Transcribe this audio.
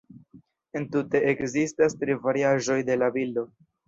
Entute ekzistas tri variaĵoj de la bildo.